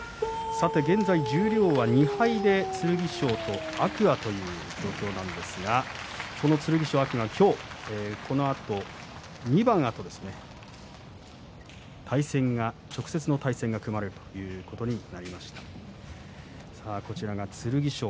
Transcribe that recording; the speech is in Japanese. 現在、十両は２敗で剣翔と天空海という土俵なんですがその剣翔と天空海が今日この２番あと対戦が組まれるということになりました。